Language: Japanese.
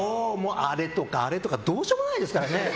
あれとか、あれとかどうしようもないですからね。